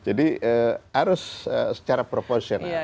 jadi harus secara proposional